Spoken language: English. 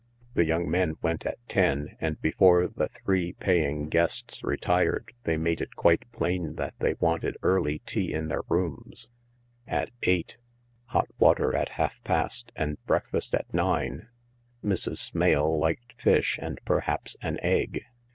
The young men went at ten, and before the three paying guests retired they made it quite plain that they wanted early tea in their rooms at eight— hot waterat half past, and breakfast at nine. Mrs. Smale liked fish and perhaps an egg.